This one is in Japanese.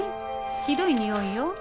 ひどいにおいよ。